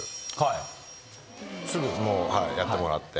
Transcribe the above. やってもらって。